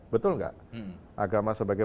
betul nggak agama sebagai